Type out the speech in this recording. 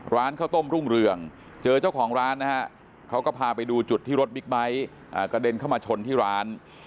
ร้านข้าวต้มรุ่งเรืองเจอเจ้าของร้านนะฮะเขาก็พาไปดูจุดที่รถบิ๊กไบท์กระเด็นเข้ามาชนที่ร้าน